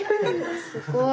すごい。